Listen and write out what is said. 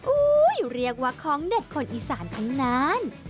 อู้้อยู๋เรียกว่าของเด็ดคนอิสรารกันคงนาน